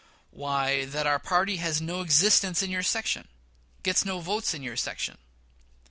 Why, that our party has no existence in your section gets no votes in your section.